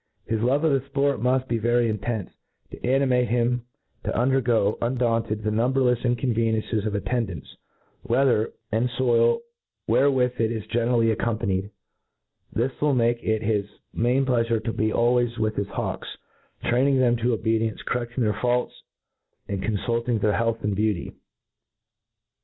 His love of the fport muft be very intenfe, to animate him to under go, undaunted, the nuniberlefs inconveniences of attendance, weather, and foil, wherewith it is generally accompanied, this will make it hi& main pleafure to be always with his hawks, train tiig them to obedience, corrcdling their faults, and conluUing their health and beauty.